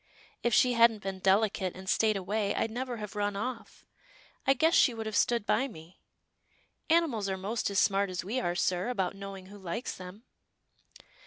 If she hadn't been delicate, and stayed away, I'd never have run off. I guess she would have stood by me — Animals are most as smart as we are, sir, about knowing who likes them."